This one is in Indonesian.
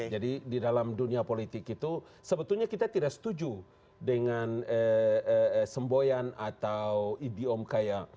jadi di dalam dunia politik itu sebetulnya kita tidak setuju dengan semboyan atau idiom kaya